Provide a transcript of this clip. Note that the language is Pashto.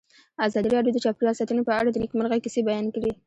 ازادي راډیو د چاپیریال ساتنه په اړه د نېکمرغۍ کیسې بیان کړې.